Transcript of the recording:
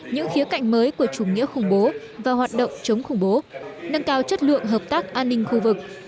những khía cạnh mới của chủ nghĩa khủng bố và hoạt động chống khủng bố nâng cao chất lượng hợp tác an ninh khu vực